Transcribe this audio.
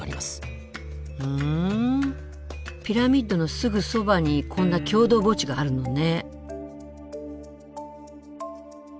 ふんピラミッドのすぐそばにこんな共同墓地があるのね。